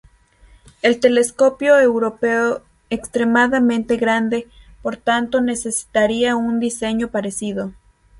El Telescopio Europeo Extremadamente Grande, por tanto necesitaría un diseño parecido.